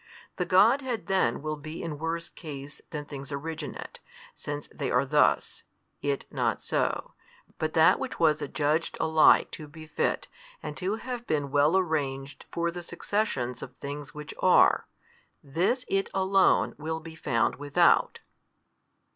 The Godhead then will be in worse case than things originate, since they are thus, It not so, but that which was adjudged alike to befit and to have been well arranged for the successions of things which are, this It Alone will be found without.